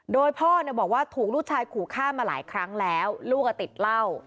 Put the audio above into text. โดยพ่อเนี่ยบอกว่าถูกลูกชายขู่ฆ่ามาหลายครั้งแล้วลูกติดเหล้า